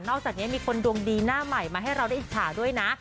อกจากนี้มีคนดวงดีหน้าใหม่มาให้เราได้อิจฉาด้วยนะ